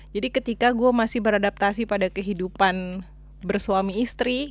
jadi ketika gue masih beradaptasi pada kehidupan bersuami istri